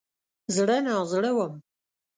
زړه نازړه وم.